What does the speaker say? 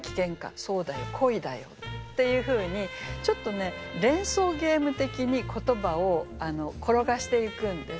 そうだよ恋だよっていうふうにちょっとね連想ゲーム的に言葉を転がしていくんです。